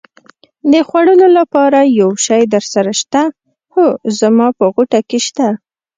د خوړلو لپاره یو شی درسره شته؟ هو، زما په غوټه کې شته.